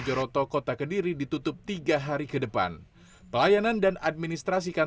bukan kita tutup hanya di tempatnya layanan yang kita ubah